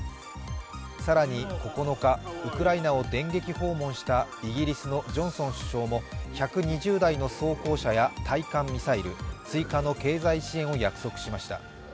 更に９日、ウクライナを電撃訪問したイギリスのジョンソン首相も、１２０台の装甲車や対艦ミサイル、追加の経済支援を約束しました。